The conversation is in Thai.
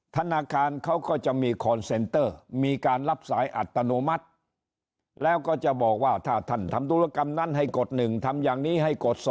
ธนาคารเขาก็จะมีคอนเซนเตอร์มีการรับสายอัตโนมัติแล้วก็จะบอกว่าถ้าท่านทำธุรกรรมนั้นให้กด๑ทำอย่างนี้ให้กด๒